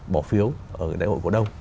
bỏ phiếu ở đại hội cổ đông